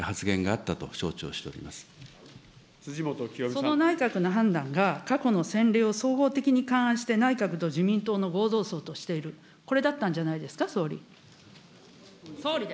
その内閣の判断が、過去の先例を総合的に勘案して内閣と自民党の合同葬としている、これだったんじゃないですか、総理。